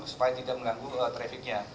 supaya tidak mengganggu trafficnya